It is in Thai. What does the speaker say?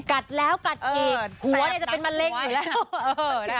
กัดแล้วกัดอีกหัวจะเป็นมะเร็งอยู่แล้ว